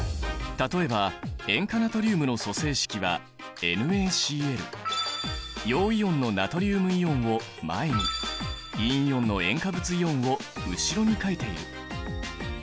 例えば塩化ナトリウムの組成式は陽イオンのナトリウムイオンを前に陰イオンの塩化物イオンを後ろに書いている。